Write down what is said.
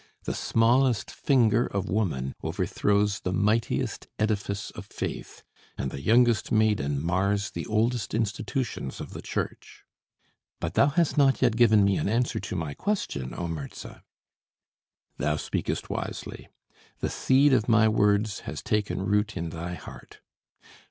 The smallest finger of woman overthrows the mightiest edifice of faith, and the youngest maiden mars the oldest institutions of the Church!" "But thou hast not yet given me an answer to my question, O Mirza!" "Thou speakest wisely. The seed of my words has taken root in thy heart.